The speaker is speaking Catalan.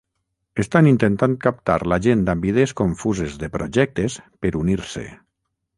Estan intentant captar la gent amb idees confuses de projectes per unir-se.